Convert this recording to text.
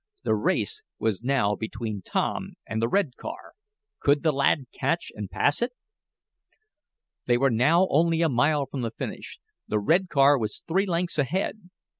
The race was now between Tom and the red car. Could the lad catch and pass it? They were now only a mile from the finish. The red car was three lengths ahead.